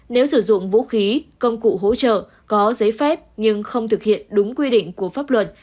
nếu sử dụng vũ khí công cụ hỗ trợ có giấy phép nhưng không thực hiện đúng quy định của pháp luật